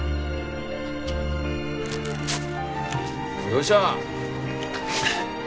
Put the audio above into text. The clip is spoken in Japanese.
どうした？